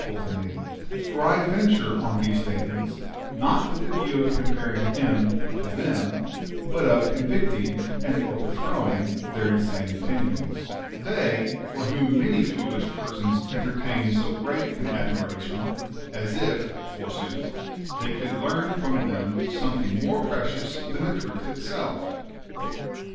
f ul to me, for I venture on these statements, not with the view of comparing Him to them, but of convicting and over throwing their insane opinions) — they, for whom many fooHsh persons entertain so great an admiration, as if, forsooth, they could learn from them something more precious than the truth itself